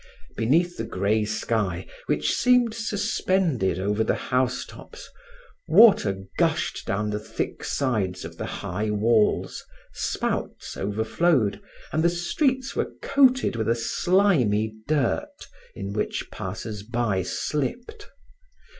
Beneath the gray sky which seemed suspended over the house tops, water gushed down the thick sides of the high walls, spouts overflowed, and the streets were coated with a slimy dirt in which passersby slipped.